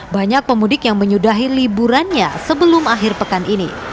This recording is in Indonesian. banyak pemudik yang menyudahi liburannya sebelum akhir pekan ini